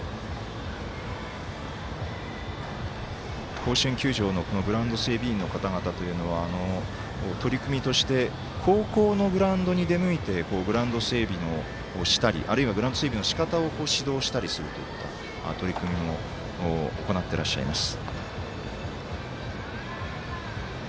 甲子園球場のグラウンド整備員の方々というのは取り組みとして高校のグラウンドに出向いてグラウンド整備をしたりあるいはグラウンド整備のしかたを指導したりするといった取り組みも行ってらっしゃいます。